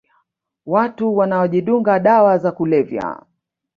Watu wanaojidunga dawa za kulevya